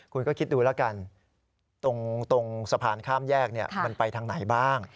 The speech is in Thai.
คุณก็คิดดูแล้วกันตรงสะพานข้ามแยกมันไปทางไหนบ้าง